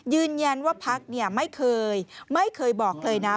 ยืนยันว่าพักเนี่ยไม่เคยไม่เคยบอกเลยนะ